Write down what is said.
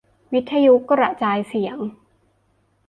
วิทยุกระจายเสียง